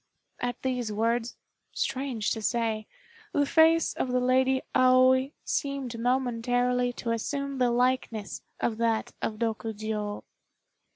At these words, strange to say, the face of the Lady Aoi seemed momentarily to assume the likeness of that of Rokjiô.